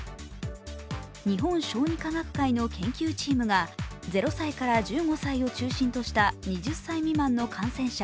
日本小児科学会の研究チームが０歳から１５歳を中心とした２０歳未満の感染者